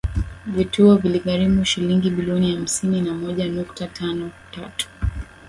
Vituo viligharimu shilingi bilioni hamsini na moja nukta tano tatu